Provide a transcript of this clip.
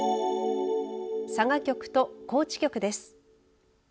佐賀局と高知局です。